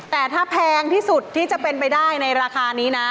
แต่ถ้าแพงที่สุดที่จะเป็นไปได้ในราคานี้นะ